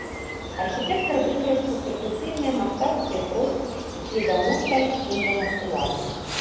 Архітэктар выкарыстаў традыцыйныя мастацкія сродкі, якія даўно сталі сімвалам улады.